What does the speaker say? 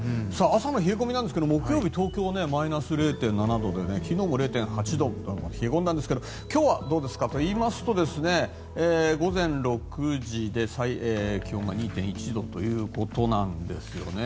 朝の冷え込みなんですが木曜日、東京はマイナス０．７度で昨日も０．８度と冷え込んだんですが今日はどうですかといいますと午前６時で気温が２．１度ということなんですよね。